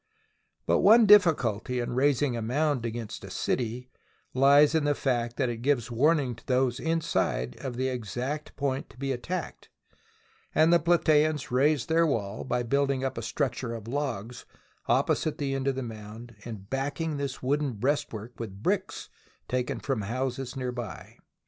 But one difficulty in raising a mound against a city lies in the fact that it gives warning to those inside of the exact point to be attacked, and the Platseans raised their wall by building up a struc ture of logs opposite the end of the mound and backing this wooden breastwork with bricks taken from the houses nearby.